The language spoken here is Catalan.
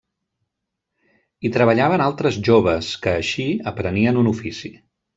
Hi treballaven altres joves que, així, aprenien un ofici.